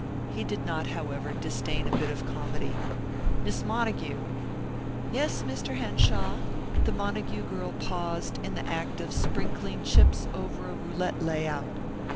He did not, however, disdain a bit of comedy. "Miss Montague." "Yes, Mr. Henshaw." The Montague girl paused in the act of sprinkling chips over a roulette lay out.